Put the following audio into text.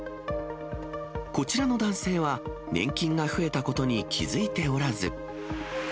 こちらの男性は年金が増えたことに気付いておらず。